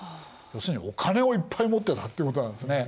要するにお金をいっぱい持ってたってことなんですね。